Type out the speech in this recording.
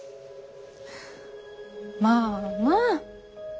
まあまあ！